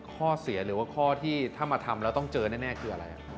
ข้อเสียหรือว่าข้อที่ถ้ามาทำแล้วต้องเจอแน่คืออะไร